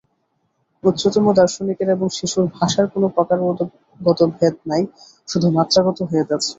উচ্চতম দার্শনিকের এবং শিশুর ভাষার কোন প্রকারগত ভেদ নাই, শুধু মাত্রাগত ভেদ আছে।